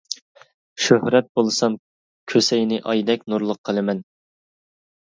شۆھرەت بولسام كۆسەينى ئايدەك نۇرلۇق قىلىمەن.